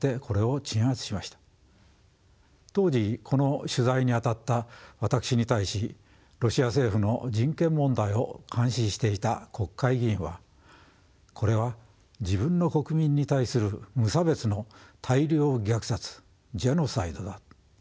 当時この取材にあたった私に対しロシア政府の人権問題を監視していた国会議員はこれは自分の国民に対する無差別の大量虐殺ジェノサイドだと。